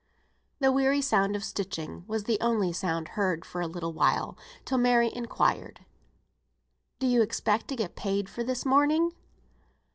_] The weary sound of stitching was the only sound heard for a little while, till Mary inquired, "Do you expect to get paid for this mourning?"